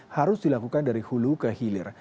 harus dilakukan dari hulu ke hilir